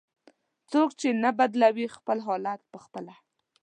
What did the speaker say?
"څوک چې نه بدلوي خپل حالت په خپله".